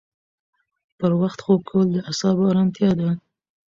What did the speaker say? پر وخت خوب کول د اعصابو ارامتیا ده.